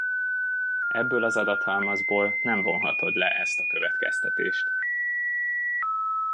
Ebből az adathalmazból nem vonhatod le ezt a következtetést.